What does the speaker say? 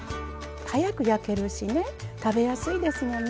早く焼けるしね食べやすいですもんね。